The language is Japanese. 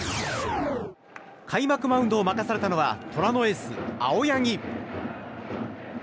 開幕マウンドを任されたのは虎のエース、青柳。